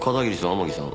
天樹さん